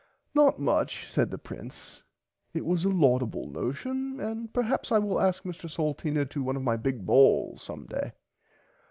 Not much said the prince it was a laudible notion and perhaps I will ask Mr Salteena to one of my big balls some day.